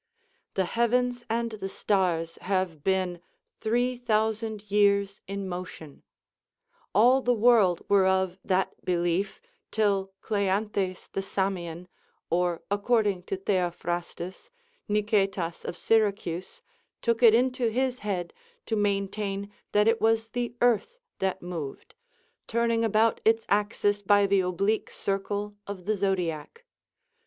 The heavens and the stars have been three thousand years in motion; all the world were of that belief till Cleanthes the Samian, or, according to Theophrastus, Nicetas of Syracuse, took it into his head to maintain that it was the earth that moved, turning about its axis by the oblique circle of the zodiac.